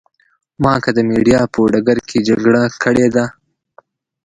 ما که د مېډیا په ډګر کې جګړه کړې ده.